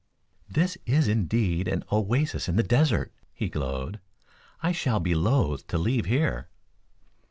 "This is indeed an oasis in the desert," he glowed. "I shall be loath to leave here."